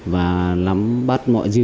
và lắm bắt